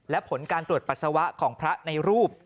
และผลการตรวจปัสสาวะของพระในรูป